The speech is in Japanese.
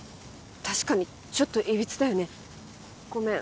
確かにちょっといびつだよねごめん